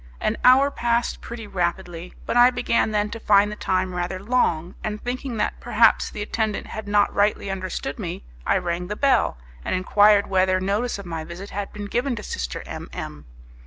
An hour passed pretty rapidly, but I began then to find the time rather long, and thinking that, perhaps, the attendant had not rightly understood me, I rang the bell, and enquired whether notice of my visit had being given to Sister M M